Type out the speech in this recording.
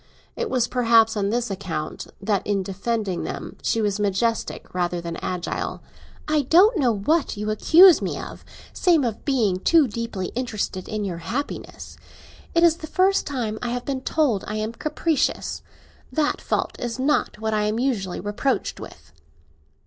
It was perhaps on this account that in defending them she was majestic rather than agile. "I don't know what you accuse me of, save of being too deeply interested in your happiness. It is the first time I have been told I am capricious. That fault is not what I am usually reproached with."